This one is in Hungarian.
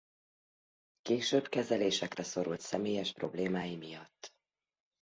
Később kezelésekre szorult személyes problémái miatt.